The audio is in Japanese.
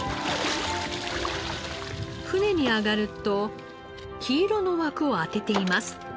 船に上がると黄色の枠を当てています。